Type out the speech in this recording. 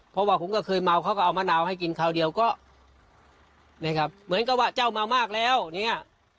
เพราะว่าผมก็เคยเมาเขาก็เอามะนาวให้กินคราวเดียวก็นะครับเหมือนกับว่าเจ้าเมามากแล้วเนี่ย